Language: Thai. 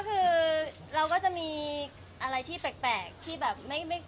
ก็คือเราก็จะมีอะไรที่แปลกที่แบบไม่